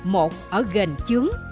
một ở gành chướng